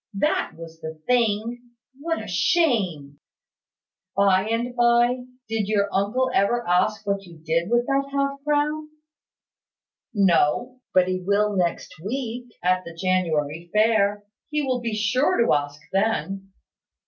That was the thing. What a shame " "By the by, did your uncle ever ask what you did with that half crown?" "No; but he will next week, at the January fair. He will be sure to ask then.